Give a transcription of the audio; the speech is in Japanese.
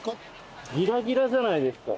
ギラギラじゃないですか。